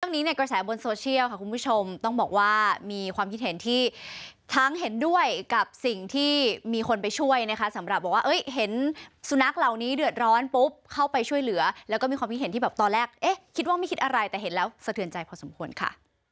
นี้เนี่ยกระแสบนโซเชียลค่ะคุณผู้ชมต้องบอกว่ามีความคิดเห็นที่ทั้งเห็นด้วยกับสิ่งที่มีคนไปช่วยนะคะสำหรับบอกว่าเห็นสุนัขเหล่านี้เดือดร้อนปุ๊บเข้าไปช่วยเหลือแล้วก็มีความคิดเห็นที่แบบตอนแรกเอ๊ะคิดว่าไม่คิดอะไรแต่เห็นแล้วสะเทือนใจพอสมควรค่ะ